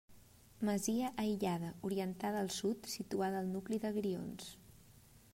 Masia aïllada, orientada al sud, situada al nucli de Grions.